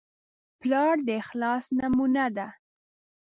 پلار د اخلاص نمونه ده.